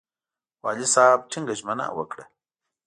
والي صاحب ټینګه ژمنه وکړه.